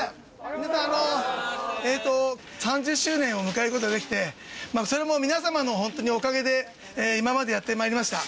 皆さんえっと３０周年を迎えることができてそれも皆様のホントにおかげで今までやってまいりました。